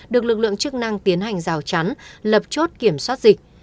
được lực lượng chức năng tiến hành rào chắn lập chốt kiểm soát dịch